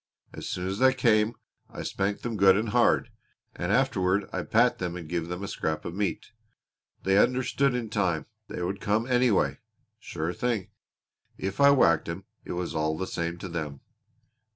As soon as they came I spanked them good and hard, and afterward I'd pat them and give them a scrap of meat. They understood in time. They would come anyway sure thing. If I whacked 'em it was all the same to them.